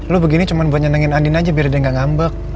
lo begini cuma buat nyenengin andin aja biar dia nggak ngambek